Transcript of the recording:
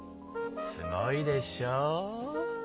すごいでしょう。